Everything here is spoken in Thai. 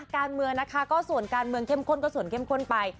การเมืองนะคะก็ส่วนการเมืองเข้มข้นก็ส่วนเข้มข้นไป